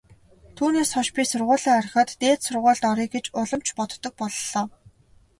Түүнээс хойш би сургуулиа орхиод дээд сургуульд оръё гэж улам ч боддог боллоо.